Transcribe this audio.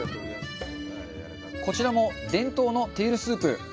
こちらも伝統のテールスープ。